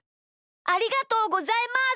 ありがとうございます！